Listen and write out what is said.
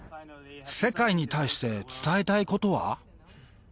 世界に対して伝えたいことは？